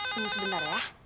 tunggu sebentar ya